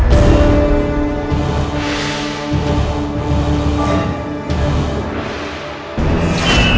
sembilan puluh tiga ke autumn dua ribu tujuh belas yang melvoice